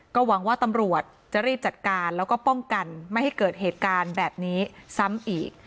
ก็หวังว่าตำรวจจะรีบจัดการแล้วก็ป้องกันไม่ให้เกิดเหตุการณ์แบบนี้ซ้ำอีก